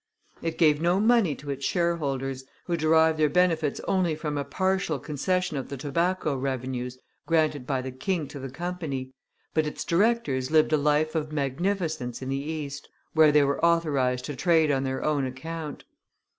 It gave no money to its shareholders, who derived their benefits only from a partial concession of the tobacco. revenues, granted by the king to the Company, but its directors lived a life of magnificence in the East, where they were authorized to trade on their own account.